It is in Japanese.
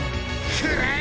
くらえ！